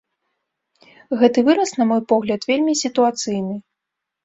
Гэты выраз, на мой погляд, вельмі сітуацыйны.